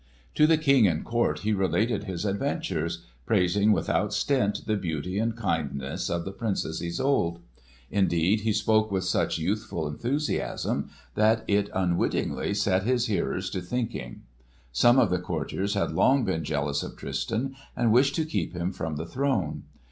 To the King and court he related his adventures, praising without stint the beauty and kindness of the Princess Isolde. Indeed he spoke with such youthful enthusiasm that it unwittingly set his hearers to thinking. Some of the courtiers had long been jealous of Tristan and wished to keep him from the throne.